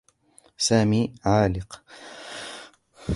سامي عالق.